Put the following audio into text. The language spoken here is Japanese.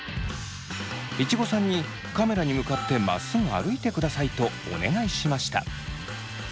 いちごさんに「カメラに向かってまっすぐ歩いてください」とお願いしました。